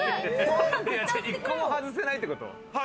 １個も外せないってこと？